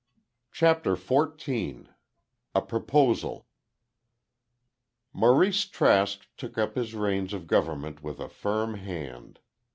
CHAPTER XIV A PROPOSAL Maurice Trask took up his reins of government with a firm hand.